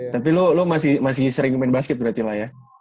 tapi lu masih sering main basket berarti lah ya